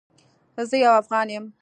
زه یو افغان یم